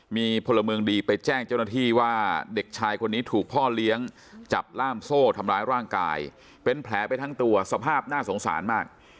มีพลเมืองดีไปแจ้งเจ้าหน้าที่ว่าเด็กชายคนนี้ถูกพ่อเลี้ยงจับล่ามโซ่ทำร้ายร่างกายเป็นแผลไปทั้งตัวสภาพน่าสงสารมาก